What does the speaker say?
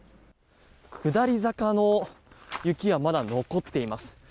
下り坂の雪はまだ残っています。